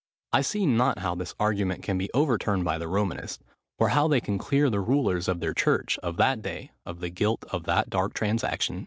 I see not how this argument can be overturned by the Romanists; or how they can clear the rulers of their church of that day of the guilt of that dark transaction.